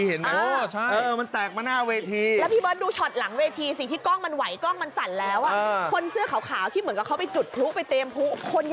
เห็นไหมจริงวิถีของการพุ่งของผู้มันแปลกน่ะ